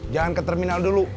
jangan ke terminal dulu